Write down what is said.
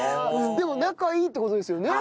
でも仲いいって事ですよね？